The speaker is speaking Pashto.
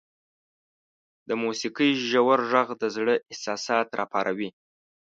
• د موسیقۍ ژور ږغ د زړه احساسات راپاروي.